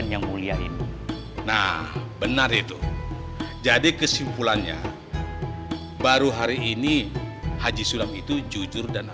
segera dicatat di buku pembukuan masjid